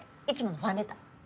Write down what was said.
いつものファンレター。